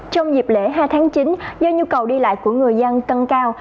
trong dịp lễ hai tháng chín do nhu cầu đi lại của người dân tăng cao